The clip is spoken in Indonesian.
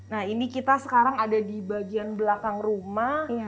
nah ini kita sekarang ada di bagian belakang rumah